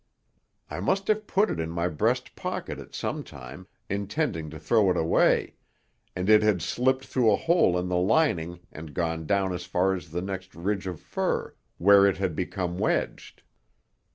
I must have put it in my breast pocket at some time, intending to throw it away, and it had slipped through a hole in the lining and gone down as far as the next ridge of fur, where it had become wedged.